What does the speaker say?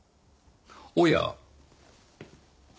おや？